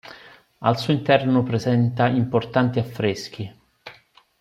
Al suo interno presenta importanti affreschi.